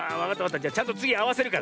じゃちゃんとつぎあわせるから。